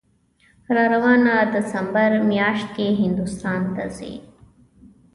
راروانه دسامبر میاشت کې هندوستان ته ځي